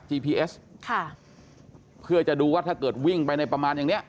ีเอสค่ะเพื่อจะดูว่าถ้าเกิดวิ่งไปในประมาณอย่างเนี้ย